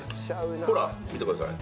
ほら見てください。